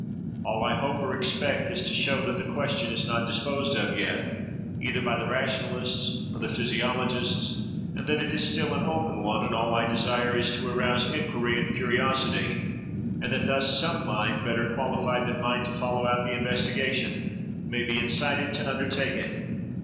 All I hope or expect is to show that the question is not disposed of yet, either by the rationalists or the physiologists, and that it is still an open one; and all I desire is to arouse inquiry and curiosity, and that thus some mind, better qualified than mine to follow out the investigation, may be incited to undertake it.